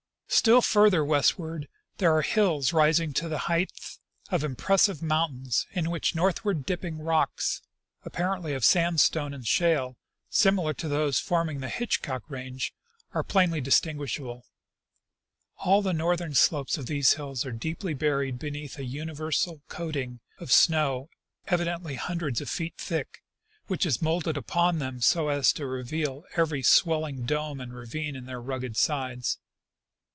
Still farther westward there are hills rising to the height of impressive mountains, in which northw; ard dipping rocks, appar ently of sandstone and shale, similar to those forming the Hitch cock range, are plainly distinguishable. All the northern slopes of these hills are deeply buried beneath a universal covering of snow evideiitly hundreds of feet thick, which is molded upon them so as to reveal every swelling dome and ravine in their rugged sides.